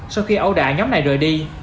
sau khi ấu đả nhóm này rời đi